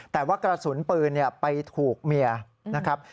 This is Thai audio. แต่ว่ากระสุนปืนไปถูกเมียนะครับ